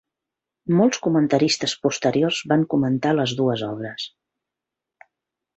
Molts comentaristes posteriors van comentar les dues obres.